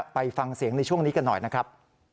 ไปฟังเสียงในช่วงนี้กันหน่อยนะครับ